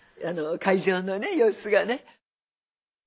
会場の様子がね。